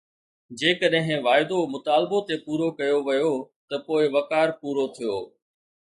جيڪڏهن واعدو مطالبو تي پورو ڪيو ويو ته پوء وقار پورو ٿيو